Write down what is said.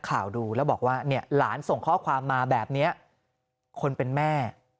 ข่าวดูแล้วบอกว่าเนี่ยหลานส่งข้อความมาแบบนี้คนเป็นแม่